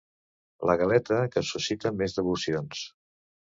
La galeta que suscita més devocions.